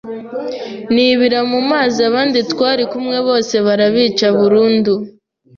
nibira mu mazi abandi twari kumwe bose barabica burundu